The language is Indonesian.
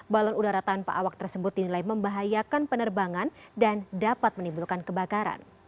balon udara tanpa awak tersebut dinilai membahayakan penerbangan dan dapat menimbulkan kebakaran